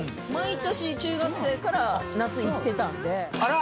毎年中学生から夏行ってたんで。